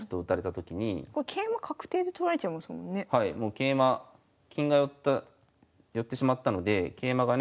桂馬金が寄ってしまったので桂馬がね